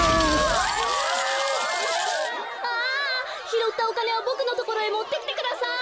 ひろったおかねはボクのところへもってきてください！